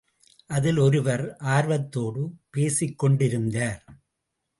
அதில் ஒருவர், ஆர்வத்தோடு பேசிக் கொண்டிருந்தார்.